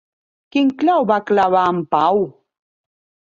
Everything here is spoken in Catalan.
Quin clau va clavar en Pau?